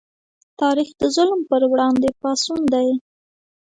تاریخ د ظلم پر وړاندې پاڅون دی.